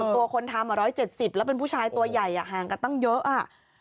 ตัวคนทำ๑๗๐แล้วเป็นผู้ชายตัวใหญ่ห่างกันตั้งเยอะ